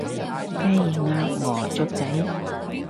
雞，鴨，鵝，雀仔